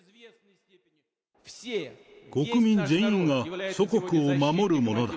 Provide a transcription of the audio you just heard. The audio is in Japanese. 国民全員が祖国を守る者だ。